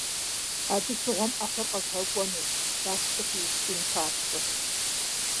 Абы щыгъуэм Ӏэхъуэр къэзгъэкӀуэнущ, башкӀэ фиукӀын папщӀэ.